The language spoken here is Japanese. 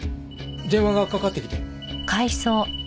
電話がかかってきて。